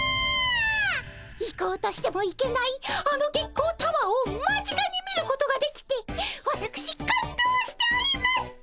行こうとしても行けないあの月光タワーを間近に見ることができてわたくし感動しております！